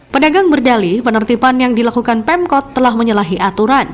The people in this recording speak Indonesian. pedagang berdali penertiban yang dilakukan pemkot telah menyalahi aturan